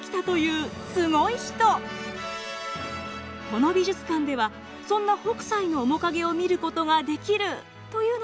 この美術館ではそんな北斎の面影を見ることができるというのですが。